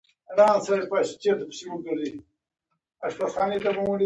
کرت د مریض پر اوږو لاس کېښود.